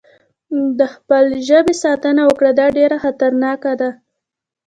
د خپل ژبې ساتنه وکړه، دا ډېره خطرناکه ده.